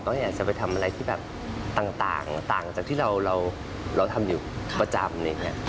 ก็อยากจะไปทำอะไรที่แบบต่างต่างจากที่เราทำอยู่ประจำอะไรอย่างนี้